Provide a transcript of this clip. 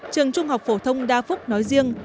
trường trung học phổ thông đa phúc nói riêng